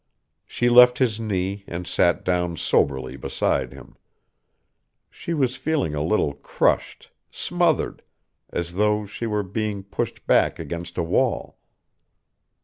She left his knee, and sat down soberly beside him. She was feeling a little crushed, smothered ... as though she were being pushed back against a wall.